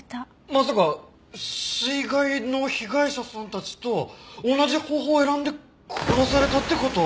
まさか水害の被害者さんたちと同じ方法を選んで殺されたって事？